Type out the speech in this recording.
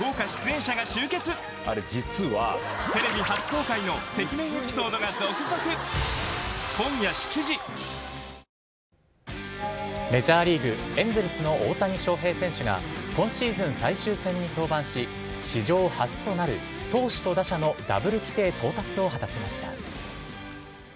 上野容疑者はメジャーリーグエンゼルスの大谷翔平選手が今シーズン最終戦に登板し史上初となる投手と打者のダブル規定到達を果たしました。